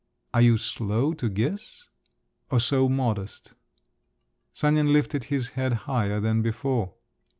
… Are you slow to guess? Or so modest?" Sanin lifted his head higher than before.